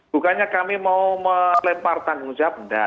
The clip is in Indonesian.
bukannya kami mau melempar tanggung jawab enggak